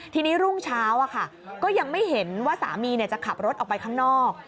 ทีนี้รุ่งเช้าก็ยังไม่เห็นว่าสามีจะขับรถออกไปข้างนอก